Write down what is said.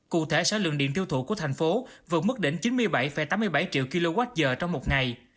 cụ thể sản lượng điện tiêu thụ của thành phố vượt mức đỉnh chín mươi bảy tám mươi bảy triệu kwh trong một ngày